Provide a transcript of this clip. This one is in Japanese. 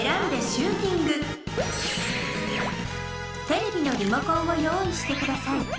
テレビのリモコンをよういしてください。